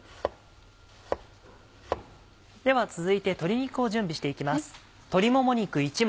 では続いて鶏肉を準備していきます。